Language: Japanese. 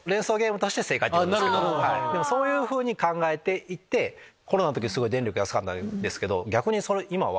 本当に⁉でもそういうふうに考えていってコロナの時電力安かったんですけど逆に今は。